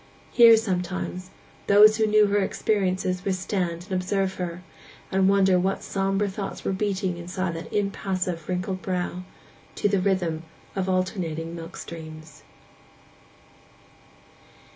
Here, sometimes, those who knew her experiences would stand and observe her, and wonder what sombre thoughts were beating inside that impassive, wrinkled brow, to the rhythm of the alternating milk streams.